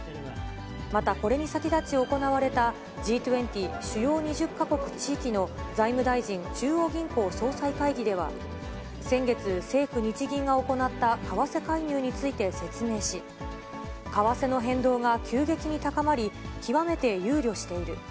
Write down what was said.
またこれに先立ち行われた、Ｇ２０・主要２０か国・地域の財務大臣・中央銀行総裁会議では、先月、政府・日銀が行った為替介入について説明し、為替の変動が急激に高まり、極めて憂慮している。